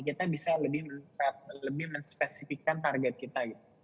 kita bisa lebih men specifikan target kita